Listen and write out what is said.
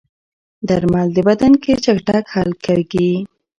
درمل د بدن کې چټک حل کېږي.